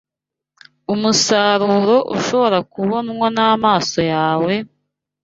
Umusaruro ushobora kubonwa n’amaso yawe,